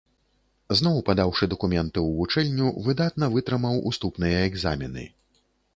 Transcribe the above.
Зноў падаўшы дакументы ў вучэльню, выдатна вытрымаў уступныя экзамены.